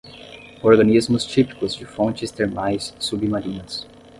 Organismos típicos de fontes termais submarinas